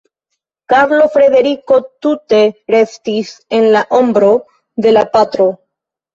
Karlo Frederiko tute restis en la ombro de la patro.